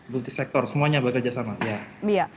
multi sektor semuanya bekerja sama